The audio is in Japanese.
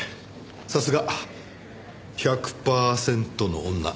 さすが１００パーセントの女。